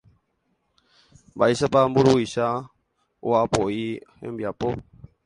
Mba'éichapa mburuvicha o'apo'i hembiapo